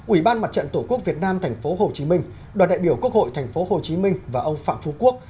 ủy ban mặt trận tổ quốc việt nam tp hcm đoàn đại biểu quốc hội tp hcm và ông phạm phú quốc